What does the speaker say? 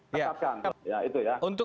tetapkan ya itu ya